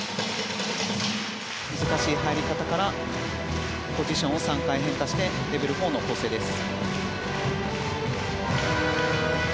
難しい入り方からポジションを３回変化してレベル４の構成です。